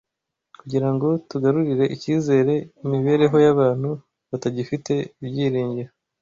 kugira ngo tugarurire icyizere imibereho y’abantu batagifite ibyiringiro. …